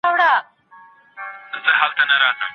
ایا ستا په موبایل کي د مننې په اړه کوم بیان سته؟